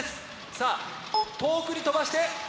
さあ遠くに飛ばして。